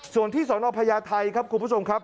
ส่วนที่สนพญาไทยครับคุณผู้ชมครับ